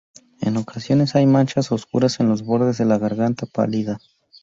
En ocasiones, hay manchas oscuras en los bordes de la garganta pálida.